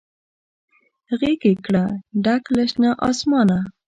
غیږ یې کړه ډکه له شنه اسمانه